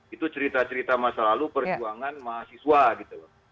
itu cerita cerita masa lalu perjuangan mahasiswa gitu loh